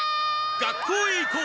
「学校へ行こう！